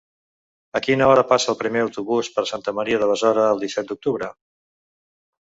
A quina hora passa el primer autobús per Santa Maria de Besora el disset d'octubre?